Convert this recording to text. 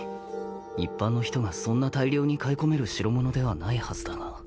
一般の人がそんな大量に買い込める代物ではないはずだが。